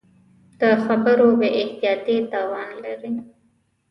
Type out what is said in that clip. د خبرو بې احتیاطي تاوان لري